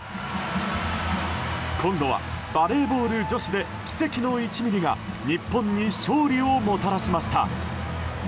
今度はバレーボール女子で奇跡の１ミリが日本に勝利をもたらしました。